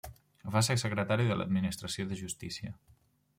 Va ser Secretari de l'Administració de Justícia.